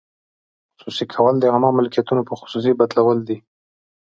خصوصي کول د عامه ملکیتونو په خصوصي بدلول دي.